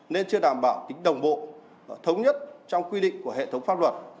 nên chưa đảm bảo tính đồng bộ thống nhất trong quy định của hệ thống pháp luật